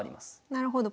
なるほど。